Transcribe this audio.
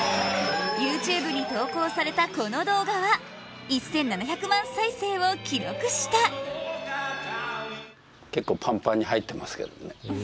ＹｏｕＴｕｂｅに投稿されたこの動画は１７００万再生を記録した結構パンパンに入ってますけどね